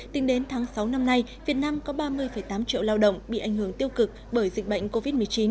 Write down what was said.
tính đến tháng sáu năm nay việt nam có ba mươi tám triệu lao động bị ảnh hưởng tiêu cực bởi dịch bệnh covid một mươi chín